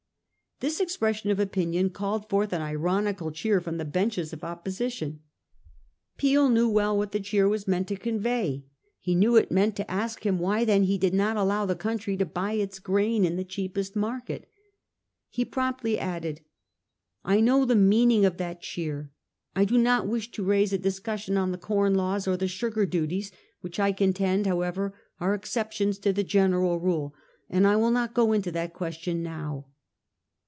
This expression of opinion called forth an ironical cheer from the benches of opposition. Peel knew well what the cheer was meant to convey. He knew it meant to ask him why then he did not allow the country to buy its grain in the cheapest market. He promptly added —£ I know the meaning of that cheer. I do not wish to raise a discussion on the Com Laws or the Sugar Duties, which I contend, however, are exceptions to the general rule, and I will not go into that question now.